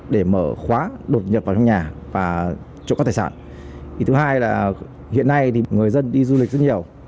để mở khóa đột nhập vào nhà và chỗ cắt tài sản thứ hai là hiện nay người dân đi du lịch rất nhiều